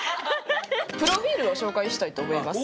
プロフィールを紹介したいと思います。